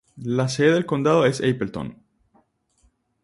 La sede del condado es Appleton.